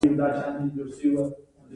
دوی د کلیساګانو او دولتي ځمکو خاوندان هم شول